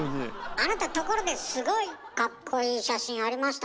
あなたところですごいかっこいい写真ありましたね。